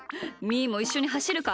ーもいっしょにはしるか？